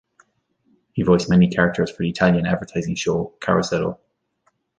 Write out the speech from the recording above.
He voiced many characters for the Italian advertising show "Carosello".